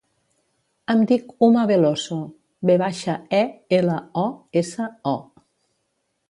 Em dic Uma Veloso: ve baixa, e, ela, o, essa, o.